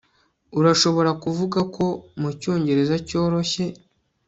Urashobora kuvuga ko mucyongereza cyoroshye